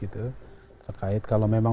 terkait kalau memang